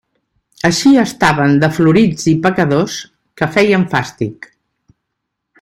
Així estaven de florits i pecadors, que feien fàstic.